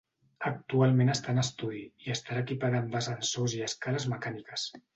Actualment està en estudi, i estarà equipada amb ascensors i escales mecàniques.